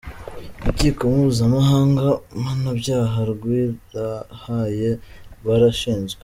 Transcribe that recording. Urukiko mpuzamahanga mpanabyaha rw’I La Haye rwarashinzwe.